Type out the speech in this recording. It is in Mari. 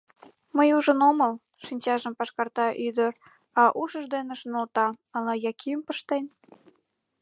— Мый ужын омыл, — шинчажым пашкарта ӱдыр, а ушыж дене шоналта: «Ала Яким пыштен?»